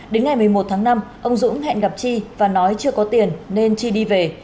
đến ngày một mươi một tháng năm ông dũng hẹn gặp chi và nói chưa có tiền nên chi đi về